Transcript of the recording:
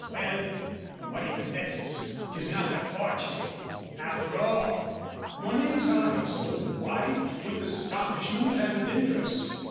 Well, from what he confesses, 'tis not her fortune, after all." Mornay's eyes opened wide with astonishment and interest.